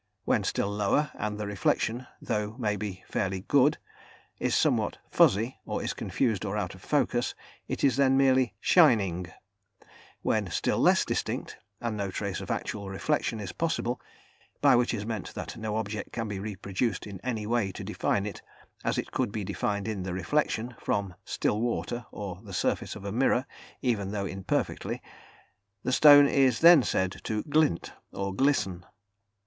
When still lower, and the reflection, though maybe fairly good, is somewhat "fuzzy," or is confused or out of focus, it is then merely shining; when still less distinct, and no trace of actual reflection is possible (by which is meant that no object can be reproduced in any way to define it, as it could be defined in the reflection from still water or the surface of a mirror, even though imperfectly) the stone is then said to glint or glisten.